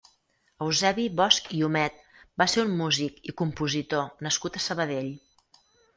Eusebi Bosch i Humet va ser un músic i compositor nascut a Sabadell.